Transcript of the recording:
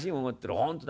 本当だ。